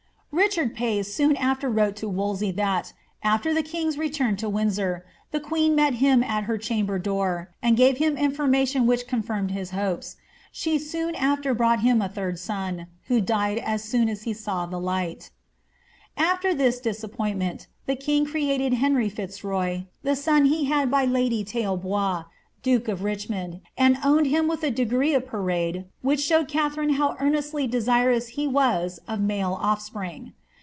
Richard Ptee soon after wrote to Wolsey that, after the king's return to Windsor, the queen met him at her chamber door, and gave him information which confirmed his hopes ; she soon after brought him a third son, who died M soon as he saw the light After this disappointment the king created Henry Fitzroy, the son he had by lady Tailbois, duke of Richmond, and owned him with a de gree of parade which showed Katharine how earnestly desirous he was of male oflbpring.